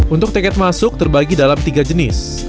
untuk tiket masuk terbagi dalam tiga jenis